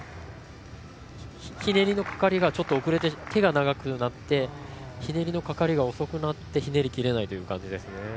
ひねりのかかりが遅れて手がかかってひねりのかかりが遅くなってひねりきれないという感じですね。